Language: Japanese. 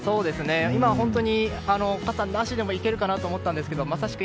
今は本当に傘なしでもいけるかなと思ったんですけどまさしく